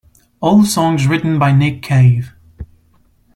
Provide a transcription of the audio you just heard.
All songs written by Nick Cave.